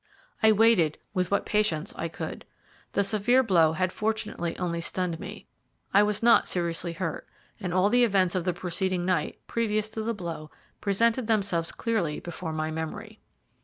I waited with what patience I could. The severe blow had fortunately only stunned me. I was not seriously hurt, and all the events of the preceding night, previous to the blow, presented themselves clearly before my memory.